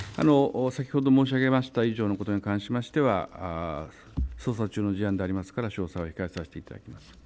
先ほど申し上げた以上のことに関しましては捜査中の事案でありますから詳細は控えさせていただきます。